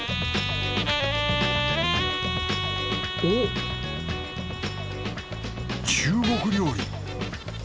おっ！中国料理！